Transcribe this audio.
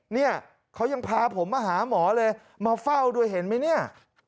เนี่ยเขายังพาผมมาหาหมอเลยมาเฝ้าด้วยเห็นไหมเนี่ย